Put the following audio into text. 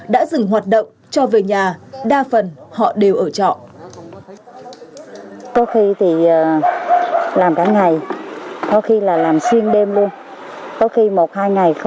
đã dừng hoạt động cho về nhà đa phần họ đều ở trọ